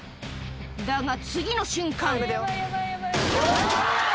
だが次の瞬間